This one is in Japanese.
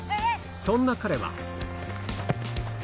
そんな彼は。